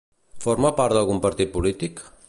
Forma part d'algun partit polític?